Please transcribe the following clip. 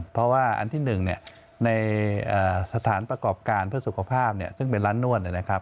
เพราะว่าอันที่๑ในสถานประกอบการเพื่อสุขภาพซึ่งเป็นร้านนวดนะครับ